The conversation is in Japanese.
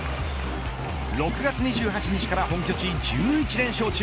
６月２８日から本拠地１１連勝中